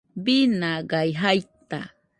binagai jaita